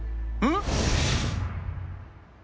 ん？